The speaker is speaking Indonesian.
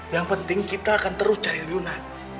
yang penting kita akan terus cari lunak